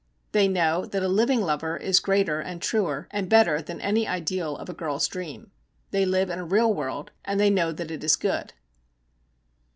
They know that a living lover is greater, and truer, and better than any ideal of a girl's dream. They live in a real world, and they know that it is good.